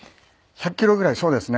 １００キロぐらいそうですね。